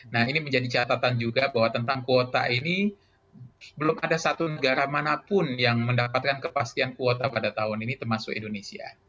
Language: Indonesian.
nah ini menjadi catatan juga bahwa tentang kuota ini belum ada satu negara manapun yang mendapatkan kepastian kuota pada tahun ini termasuk indonesia